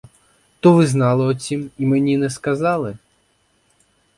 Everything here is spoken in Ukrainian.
То ви знали о цім і мені не сказали!